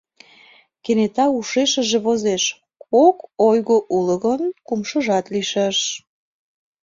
Кенета ушешыже возеш: кок ойго уло гын, кумшыжат лийшаш.